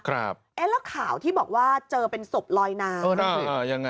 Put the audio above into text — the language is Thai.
แล้วข่าวที่บอกว่าเจอเป็นศพลอยนาง